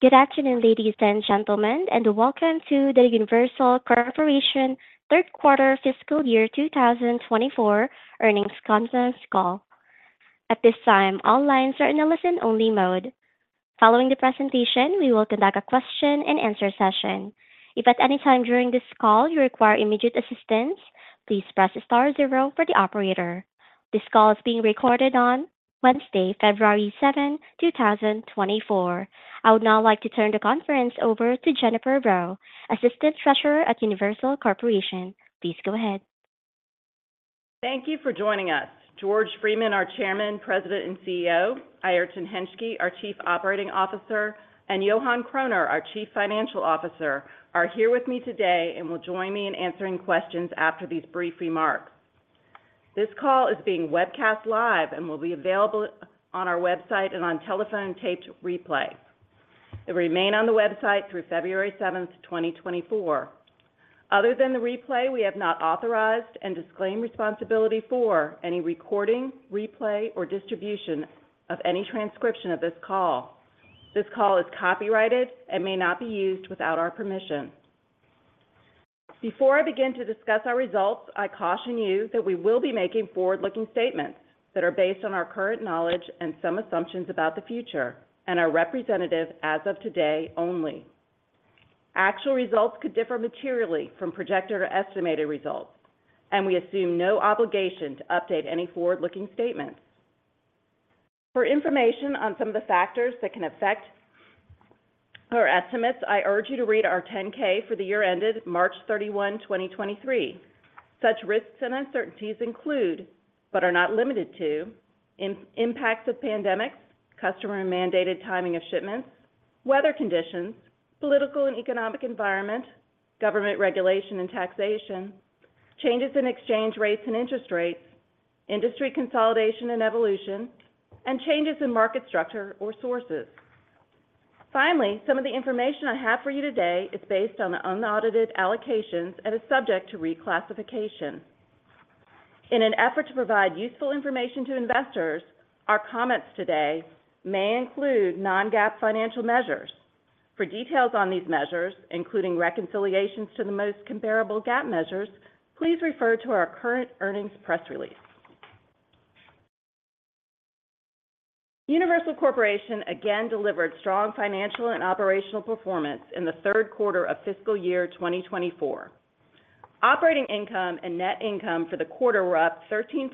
Good afternoon, ladies and gentlemen, and welcome to the Universal Corporation third quarter fiscal year 2024 earnings conference call. At this time, all lines are in a listen-only mode. Following the presentation, we will conduct a question-and-answer session. If at any time during this call you require immediate assistance, please press star zero for the operator. This call is being recorded on Wednesday, February 7th, 2024. I would now like to turn the conference over to Jennifer Rowe, Assistant Treasurer at Universal Corporation. Please go ahead. Thank you for joining us. George Freeman, our Chairman, President, and CEO, Airton Hentschke, our Chief Operating Officer, and Johan Kroner, our Chief Financial Officer, are here with me today and will join me in answering questions after these brief remarks. This call is being webcast live and will be available on our website and on telephone taped replay. It will remain on the website through February 7th, 2024. Other than the replay, we have not authorized and disclaim responsibility for any recording, replay, or distribution of any transcription of this call. This call is copyrighted and may not be used without our permission. Before I begin to discuss our results, I caution you that we will be making forward-looking statements that are based on our current knowledge and some assumptions about the future and are representative as of today only. Actual results could differ materially from projected or estimated results, and we assume no obligation to update any forward-looking statements. For information on some of the factors that can affect our estimates, I urge you to read our 10-K for the year ended March 31, 2023. Such risks and uncertainties include, but are not limited to: impacts of pandemics, customer and mandated timing of shipments, weather conditions, political and economic environment, government regulation and taxation, changes in exchange rates and interest rates, industry consolidation and evolution, and changes in market structure or sources. Finally, some of the information I have for you today is based on the unaudited allocations and is subject to reclassification. In an effort to provide useful information to investors, our comments today may include non-GAAP financial measures. For details on these measures, including reconciliations to the most comparable GAAP measures, please refer to our current earnings press release. Universal Corporation again delivered strong financial and operational performance in the third quarter of fiscal year 2024. Operating income and net income for the quarter were up 13%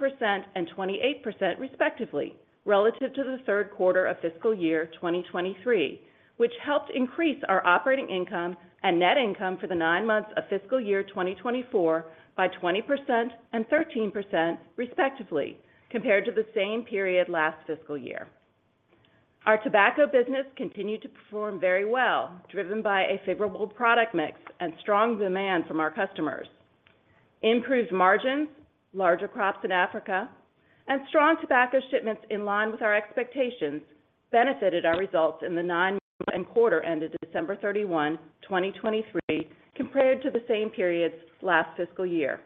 and 28% respectively, relative to the third quarter of fiscal year 2023, which helped increase our operating income and net income for the nine months of fiscal year 2024 by 20% and 13%, respectively, compared to the same period last fiscal year. Our tobacco business continued to perform very well, driven by a favorable product mix and strong demand from our customers. Improved margins, larger crops in Africa, and strong tobacco shipments in line with our expectations benefited our results in the nine months and quarter ended December 31, 2023, compared to the same periods last fiscal year.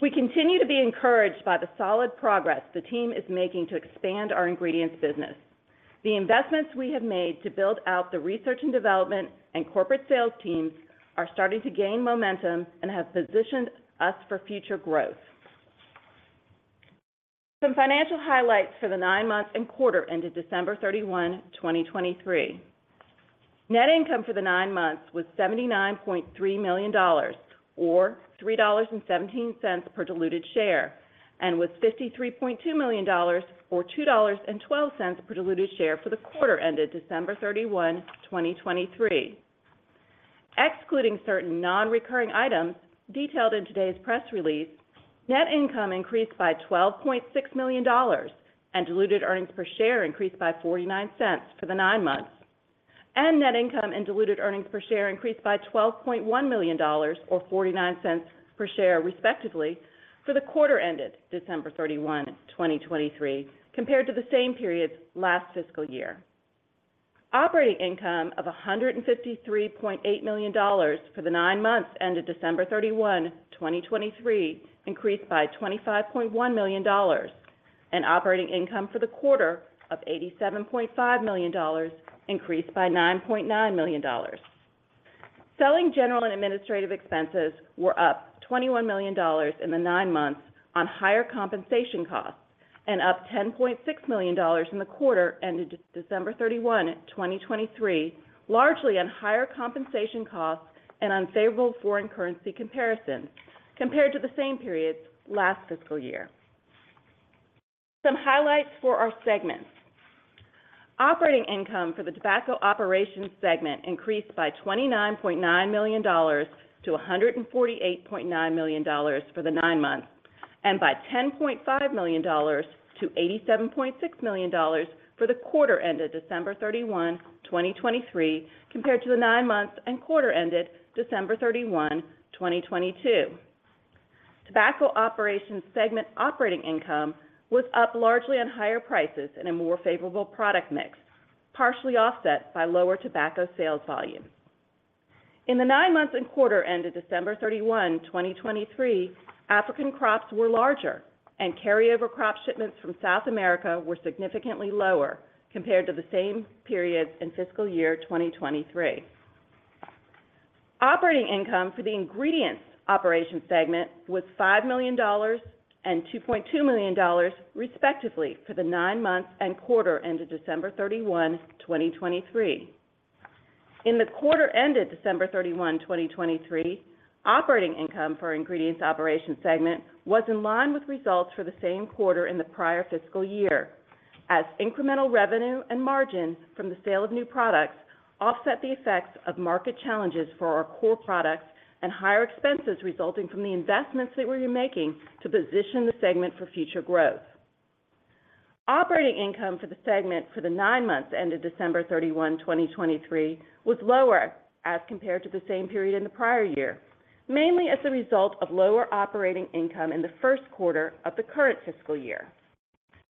We continue to be encouraged by the solid progress the team is making to expand our ingredients business. The investments we have made to build out the research and development and corporate sales teams are starting to gain momentum and have positioned us for future growth. Some financial highlights for the nine months and quarter ended December 31, 2023. Net income for the nine months was $79.3 million, or $3.17 per diluted share, and was $53.2 million, or $2.12 per diluted share for the quarter ended December 31, 2023. Excluding certain non-recurring items detailed in today's press release, net income increased by $12.6 million, and diluted earnings per share increased by $0.49 for the nine months, and net income and diluted earnings per share increased by $12.1 million or $0.49 per share, respectively, for the quarter ended December 31, 2023, compared to the same period last fiscal year. Operating income of $153.8 million for the nine months ended December 31, 2023, increased by $25.1 million, and operating income for the quarter of $87.5 million increased by $9.9 million. Selling, general, and administrative expenses were up $21 million in the nine months on higher compensation costs and up $10.6 million in the quarter ended December 31, 2023, largely on higher compensation costs and unfavorable foreign currency comparison compared to the same period last fiscal year. Some highlights for our segments. Operating income for the tobacco operations segment increased by $29.9 million to $148.9 million for the nine months, and by $10.5 million to $87.6 million for the quarter ended December 31, 2023, compared to the nine months and quarter ended December 31, 2022. Tobacco operations segment operating income was up largely on higher prices and a more favorable product mix, partially offset by lower tobacco sales volume. In the nine months and quarter ended December 31, 2023, African crops were larger and carryover crop shipments from South America were significantly lower compared to the same period in fiscal year 2023. Operating income for the ingredients operation segment was $5 million and $2.2 million, respectively, for the nine months and quarter ended December 31, 2023. In the quarter ended December 31, 2023, operating income for our ingredients operation segment was in line with results for the same quarter in the prior fiscal year, as incremental revenue and margins from the sale of new products offset the effects of market challenges for our core products and higher expenses resulting from the investments that we're making to position the segment for future growth. Operating income for the segment for the nine months ended December 31, 2023, was lower as compared to the same period in the prior year, mainly as a result of lower operating income in the first quarter of the current fiscal year.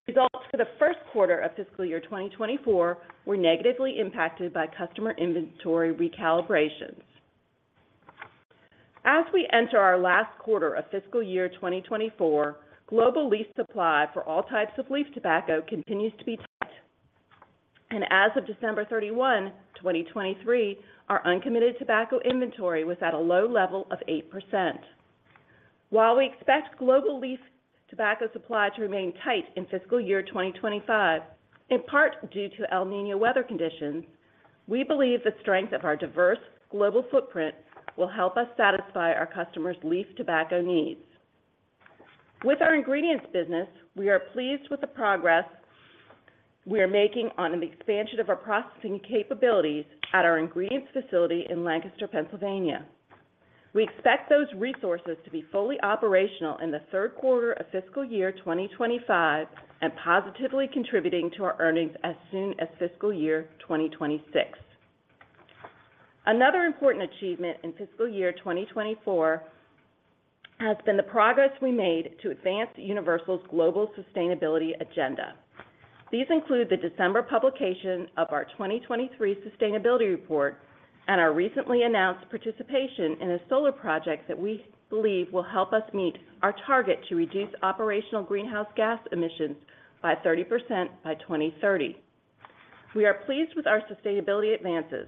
Results for the first quarter of fiscal year 2024 were negatively impacted by customer inventory recalibrations. As we enter our last quarter of fiscal year 2024, global leaf supply for all types of leaf tobacco continues to be tight. As of December 31, 2023, our uncommitted tobacco inventory was at a low level of 8%. While we expect global leaf tobacco supply to remain tight in fiscal year 2025, in part due to El Niño weather conditions, we believe the strength of our diverse global footprint will help us satisfy our customers' leaf tobacco needs. With our ingredients business, we are pleased with the progress we are making on the expansion of our processing capabilities at our ingredients facility in Lancaster, Pennsylvania. We expect those resources to be fully operational in the third quarter of fiscal year 2025 and positively contributing to our earnings as soon as fiscal year 2026. Another important achievement in fiscal year 2024 has been the progress we made to advance Universal's global sustainability agenda. These include the December publication of our 2023 sustainability report and our recently announced participation in a solar project that we believe will help us meet our target to reduce operational greenhouse gas emissions by 30% by 2030. We are pleased with our sustainability advances,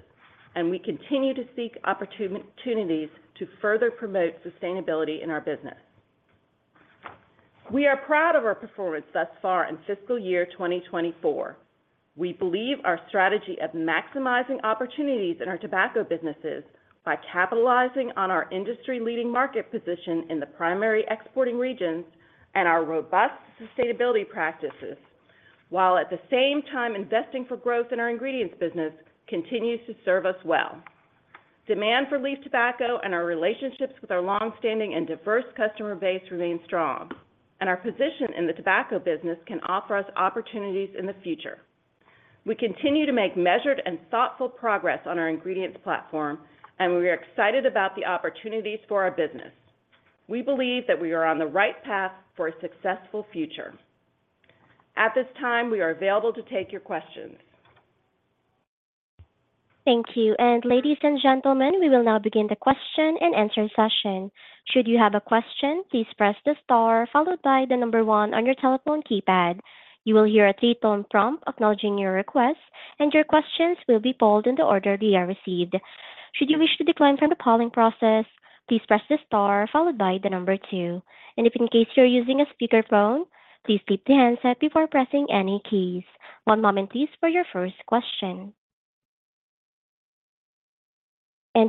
and we continue to seek opportunities to further promote sustainability in our business. We are proud of our performance thus far in fiscal year 2024. We believe our strategy of maximizing opportunities in our tobacco businesses by capitalizing on our industry-leading market position in the primary exporting regions and our robust sustainability practices, while at the same time investing for growth in our ingredients business, continues to serve us well. Demand for leaf tobacco and our relationships with our long-standing and diverse customer base remain strong, and our position in the tobacco business can offer us opportunities in the future. We continue to make measured and thoughtful progress on our ingredients platform, and we are excited about the opportunities for our business. We believe that we are on the right path for a successful future. At this time, we are available to take your questions. Thank you. Ladies and gentlemen, we will now begin the question and answer session. Should you have a question, please press the star followed by the number one on your telephone keypad. You will hear a three-tone prompt acknowledging your request, and your questions will be polled in the order they are received. Should you wish to decline from the polling process, please press the star followed by the number two. If in case you're using a speakerphone, please keep the handset before pressing any keys. One moment, please, for your first question.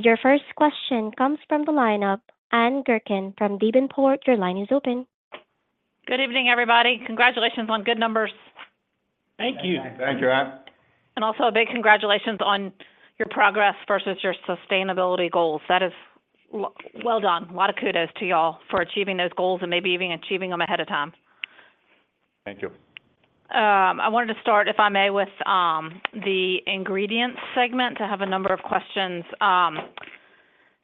Your first question comes from the lineup. Ann Gurkin from Davenport, your line is open. Good evening, everybody. Congratulations on good numbers. Thank you. Thank you, Ann. Also a big congratulations on your progress versus your sustainability goals. That is well done. A lot of kudos to you all for achieving those goals and maybe even achieving them ahead of time. Thank you. I wanted to start, if I may, with the ingredients segment. I have a number of questions.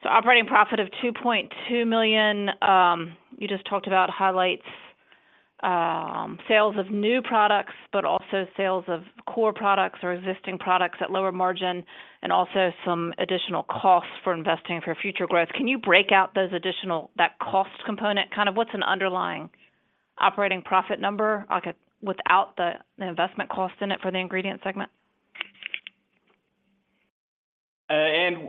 So operating profit of $2.2 million, you just talked about highlights, sales of new products, but also sales of core products or existing products at lower margin, and also some additional costs for investing for future growth. Can you break out those additional, that cost component? Kind of what's an underlying operating profit number, like, without the, the investment cost in it for the ingredient segment? And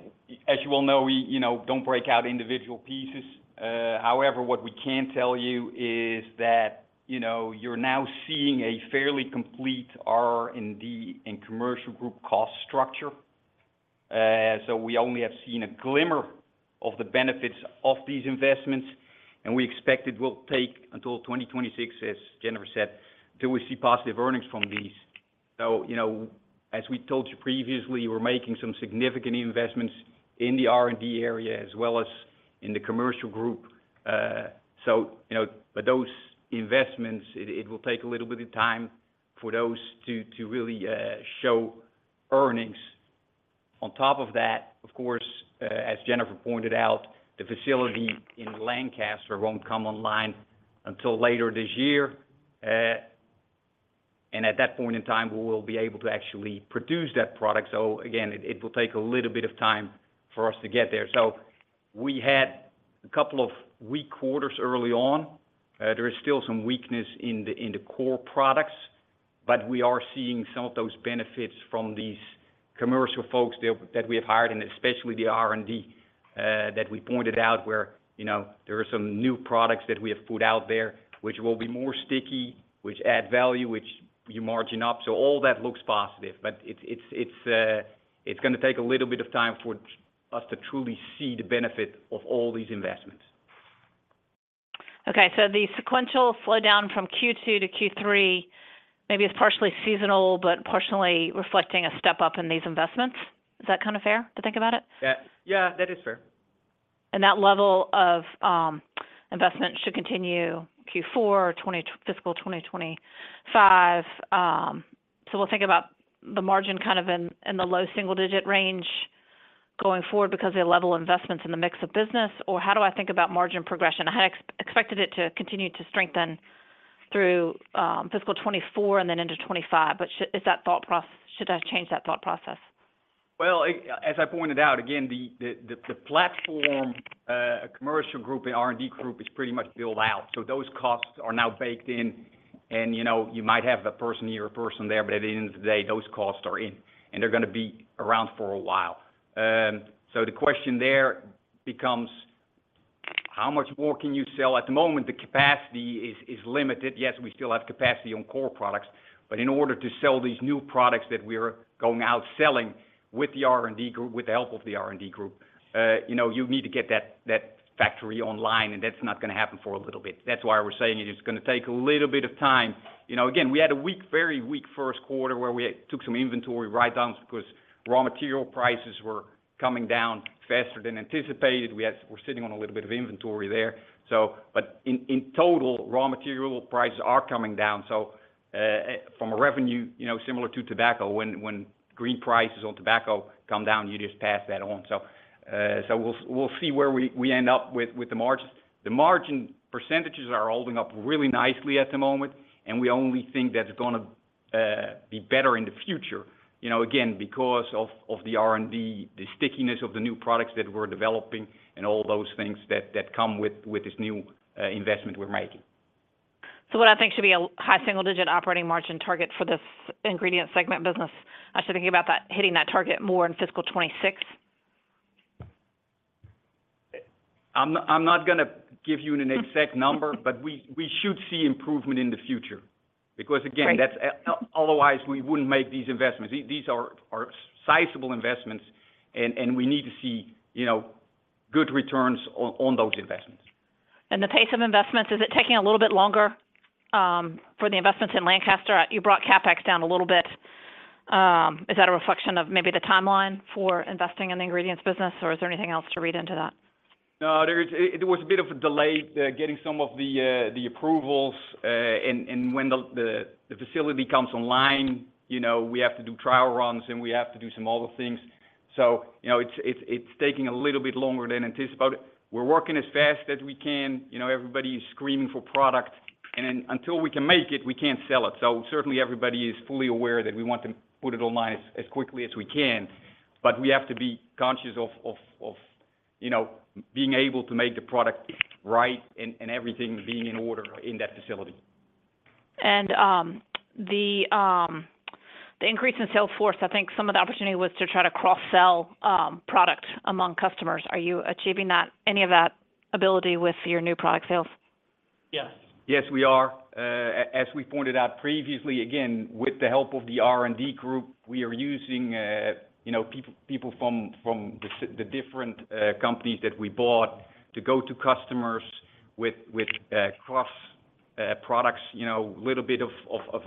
as you well know, we, you know, don't break out individual pieces. However, what we can tell you is that, you know, you're now seeing a fairly complete R&D and commercial group cost structure. So we only have seen a glimmer of the benefits of these investments, and we expect it will take until 2026, as Jennifer said, till we see positive earnings from these. So, you know, as we told you previously, we're making some significant investments in the R&D area as well as in the commercial group. So, you know, but those investments, it will take a little bit of time for those to really show earnings. On top of that, of course, as Jennifer pointed out, the facility in Lancaster won't come online until later this year. And at that point in time, we will be able to actually produce that product. So again, it will take a little bit of time for us to get there. So we had a couple of weak quarters early on. There is still some weakness in the core products, but we are seeing some of those benefits from these commercial folks that we have hired, and especially the R&D that we pointed out, where, you know, there are some new products that we have put out there, which will be more sticky, which add value, which you margin up. So all that looks positive, but it's gonna take a little bit of time for us to truly see the benefit of all these investments. Okay, so the sequential slowdown from Q2 to Q3, maybe it's partially seasonal, but partially reflecting a step up in these investments. Is that kind of fair to think about it? Yeah. Yeah, that is fair. That level of investment should continue Q4, fiscal 2025. So we'll think about the margin kind of in the low single-digit range going forward, because the level of investments in the mix of business, or how do I think about margin progression? I had expected it to continue to strengthen through fiscal 2024 and then into 2025. But should I change that thought process? Well, as I pointed out, again, the platform, commercial group, the R&D group is pretty much built out. So those costs are now baked in and, you know, you might have a person here or a person there, but at the end of the day, those costs are in, and they're gonna be around for a while. So the question there becomes: How much more can you sell? At the moment, the capacity is limited. Yes, we still have capacity on core products, but in order to sell these new products that we are going out selling with the R&D group, with the help of the R&D group, you know, you need to get that factory online, and that's not gonna happen for a little bit. That's why we're saying it is gonna take a little bit of time. You know, again, we had a weak, very weak first quarter where we took some inventory write-downs because raw material prices were coming down faster than anticipated. We had—we're sitting on a little bit of inventory there, so. But in total, raw material prices are coming down, so from a revenue, you know, similar to tobacco, when green prices on tobacco come down, you just pass that on. So we'll see where we end up with the margins. The margin percentages are holding up really nicely at the moment, and we only think that's gonna be better in the future, you know, again, because of the R&D, the stickiness of the new products that we're developing and all those things that come with this new investment we're making. What I think should be a high single-digit operating margin target for this ingredient segment business, I should think about that, hitting that target more in fiscal 2026? I'm not gonna give you an exact number, but we should see improvement in the future. Great. Because, again, that's otherwise, we wouldn't make these investments. These are sizable investments, and we need to see, you know, good returns on those investments. The pace of investments, is it taking a little bit longer for the investments in Lancaster? You brought CapEx down a little bit. Is that a reflection of maybe the timeline for investing in the ingredients business, or is there anything else to read into that? No, there was a bit of a delay getting some of the approvals, and when the facility comes online, you know, we have to do trial runs, and we have to do some other things. So, you know, it's taking a little bit longer than anticipated. We're working as fast as we can. You know, everybody is screaming for product, and until we can make it, we can't sell it. So certainly, everybody is fully aware that we want to put it online as quickly as we can, but we have to be conscious of, you know, being able to make the product right and everything being in order in that facility. The increase in sales force, I think some of the opportunity was to try to cross-sell product among customers. Are you achieving that, any of that ability with your new product sales? Yes. Yes, we are. As we pointed out previously, again, with the help of the R&D group, we are using, you know, people from the different companies that we bought to go to customers with cross products, you know, a little bit of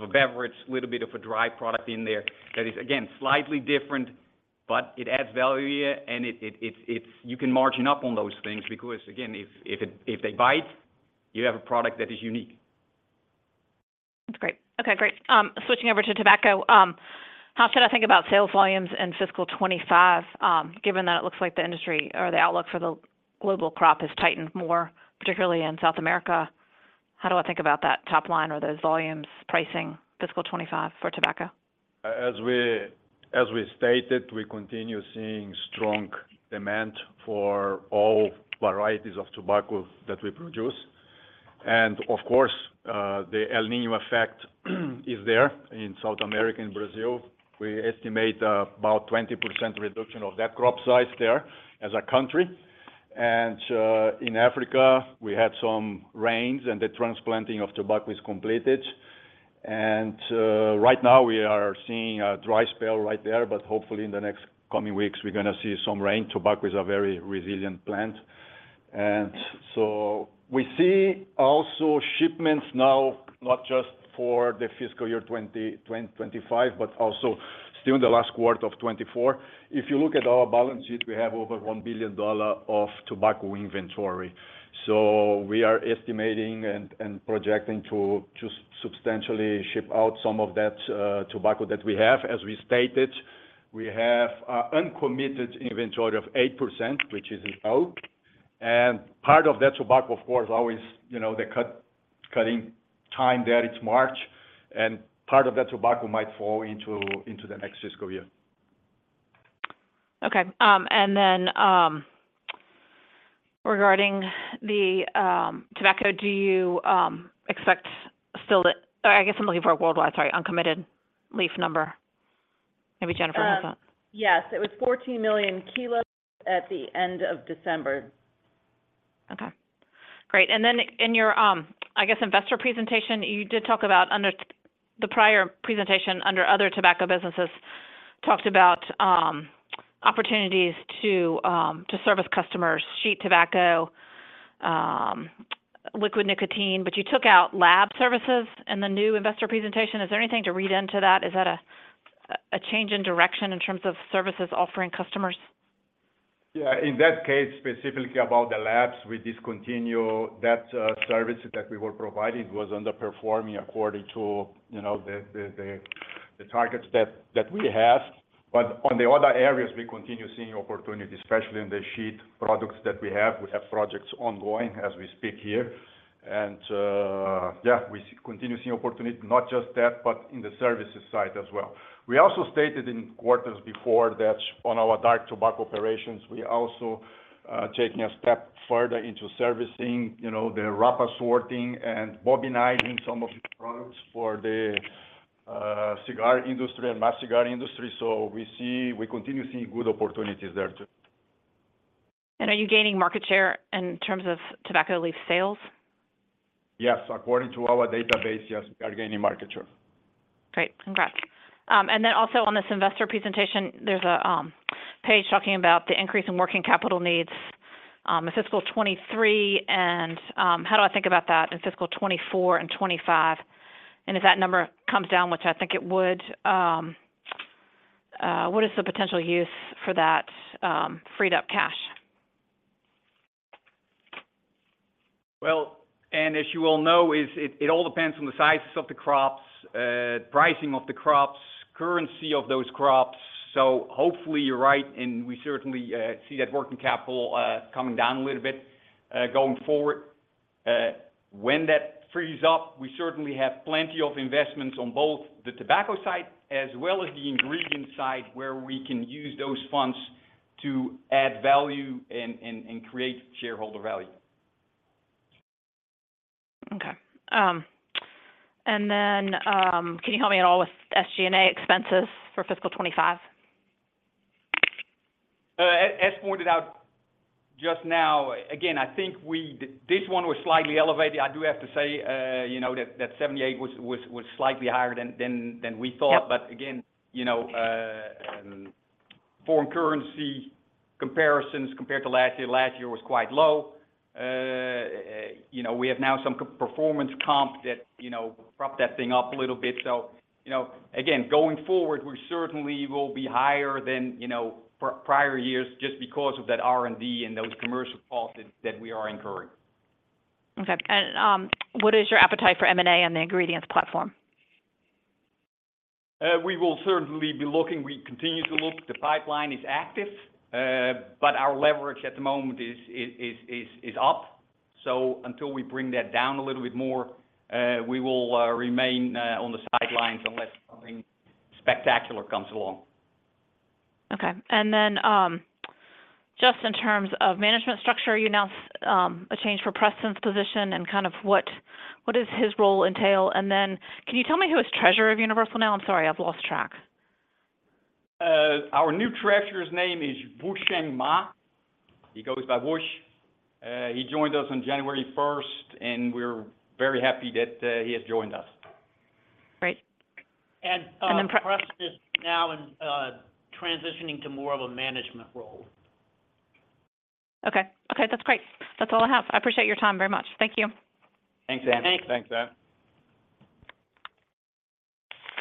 a beverage, a little bit of a dry product in there. That is, again, slightly different, but it adds value, and it's you can margin up on those things, because, again, if they buy it, you have a product that is unique. That's great. Okay, great. Switching over to tobacco, how should I think about sales volumes in fiscal 2025, given that it looks like the industry or the outlook for the global crop has tightened more, particularly in South America? How do I think about that top line or those volumes pricing fiscal 2025 for tobacco? As we stated, we continue seeing strong demand for all varieties of tobacco that we produce. And of course, the El Niño effect is there in South America and Brazil. We estimate about 20% reduction of that crop size there as a country. And in Africa, we had some rains, and the transplanting of tobacco is completed. And right now, we are seeing a dry spell right there, but hopefully in the next coming weeks, we're gonna see some rain. Tobacco is a very resilient plant. And so we see also shipments now, not just for the fiscal year 2025, but also still in the last quarter of 2024. If you look at our balance sheet, we have over $1 billion of tobacco inventory. So we are estimating and projecting to just substantially ship out some of that tobacco that we have. As we stated, we have a uncommitted inventory of 8%, which is low. And part of that tobacco, of course, always, you know, cutting time there, it's March, and part of that tobacco might fall into the next fiscal year. Okay. And then, regarding the tobacco, do you expect still that-- Or I guess I'm looking for worldwide, sorry, uncommitted leaf number. Maybe Jennifer has that? Yes, it was 14 million kilos at the end of December. Okay. Great. And then in your, I guess, investor presentation, you did talk about under the prior presentation, under other tobacco businesses, talked about opportunities to service customers, sheet tobacco, liquid nicotine, but you took out lab services in the new investor presentation. Is there anything to read into that? Is that a change in direction in terms of services offering customers? Yeah, in that case, specifically about the labs, we discontinue that service that we were providing was underperforming according to, you know, the targets that we have. But on the other areas, we continue seeing opportunities, especially in the sheet products that we have. We have projects ongoing as we speak here. And yeah, we continue seeing opportunity, not just that, but in the services side as well. We also stated in quarters before that on our dark tobacco operations, we also taking a step further into servicing, you know, the wrapper sorting and bobbinizing some of the products for the cigar industry and mass cigar industry. So we continue seeing good opportunities there, too. Are you gaining market share in terms of tobacco leaf sales? Yes. According to our database, yes, we are gaining market share. Great. Congrats. And then also on this investor presentation, there's a page talking about the increase in working capital needs in fiscal 2023, and how do I think about that in fiscal 2024 and 2025? And if that number comes down, which I think it would, what is the potential use for that freed up cash? Well, and as you all know, it all depends on the sizes of the crops, pricing of the crops, currency of those crops. So hopefully, you're right, and we certainly see that working capital coming down a little bit going forward. When that frees up, we certainly have plenty of investments on both the tobacco side as well as the ingredient side, where we can use those funds to add value and create shareholder value. Okay. And then, can you help me at all with SG&A expenses for fiscal 2025? As pointed out just now, again, I think we—this one was slightly elevated. I do have to say, you know, that 78 was slightly higher than we thought. Yep. But again, you know, foreign currency comparisons compared to last year, last year was quite low. You know, we have now some performance comp that, you know, propped that thing up a little bit. So, you know, again, going forward, we certainly will be higher than, you know, prior years just because of that R&D and those commercial costs that, that we are incurring. Okay. What is your appetite for M&A on the ingredients platform? We will certainly be looking. We continue to look. The pipeline is active, but our leverage at the moment is up. So until we bring that down a little bit more, we will remain on the sidelines unless something spectacular comes along. Okay. And then, just in terms of management structure, you announced a change for Preston's position and kind of what does his role entail? And then can you tell me who is Treasurer of Universal now? I'm sorry, I've lost track. Our new Treasurer's name is Wushuang Ma. He goes by Bush. He joined us on January 1st, and we're very happy that he has joined us. Great. And then Preston. And, Preston is now in transitioning to more of a management role. Okay. Okay, that's great. That's all I have. I appreciate your time very much. Thank you. Thanks, Ann. Thanks. Thanks, Ann.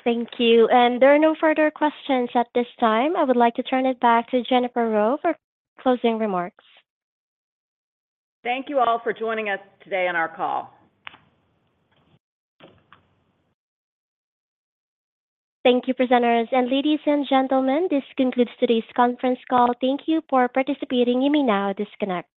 Thank you. There are no further questions at this time. I would like to turn it back to Jennifer Rowe for closing remarks. Thank you all for joining us today on our call. Thank you, presenters. Ladies and gentlemen, this concludes today's conference call. Thank you for participating. You may now disconnect.